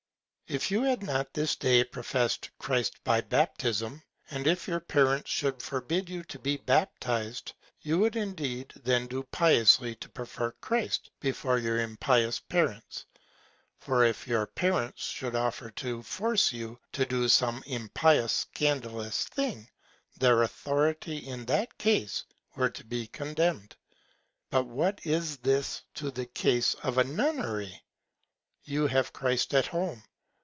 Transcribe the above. If you had not to this Day profess'd Christ by Baptism, and your Parents should forbid you to be baptis'd, you would indeed then do piously to prefer Christ before your impious Parents; or if your Parents should offer to force you to do some impious, scandalous Thing, their Authority in that Case were to be contemned. But what is this to the Case of a Nunnery? You have Christ at home.